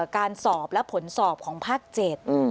การสอบและผลสอบของภาค๗